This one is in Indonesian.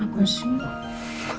g permane kok